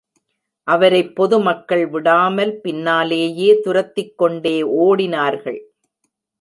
அவரைப் பொதுமக்கள் விடாமல் பின்னாலேயே துரத்திக் கொண்டே ஓடினார்கள்.